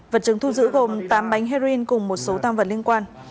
vật chứng thu giữ gồm tám bánh heroin cùng một số tăng vật liên quan